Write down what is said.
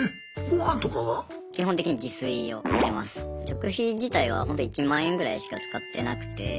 食費自体はホント１万円ぐらいしか使ってなくて。